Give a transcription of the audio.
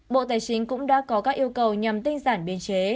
bộ tài chính cũng đã có các yêu cầu nhằm tinh giản biên chế